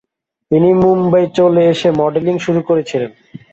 তারপরে তিনি মুম্বইয়ে চলে এসে মডেলিং শুরু করেছিলেন।